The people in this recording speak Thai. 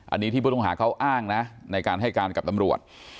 อันนี้ที่ผู้ต้องหาเขาอ้างนะในการให้การกับตำรวจ